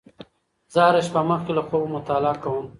زه هره شپه مخکې له خوبه مطالعه کوم.